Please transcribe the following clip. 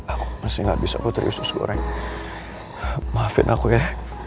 aku masih gak bisa putri maafin aku ya